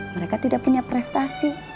mereka tidak punya prestasi